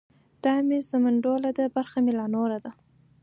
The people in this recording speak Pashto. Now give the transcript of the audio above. ـ دا مې سمنډوله ده برخه مې لا نوره ده.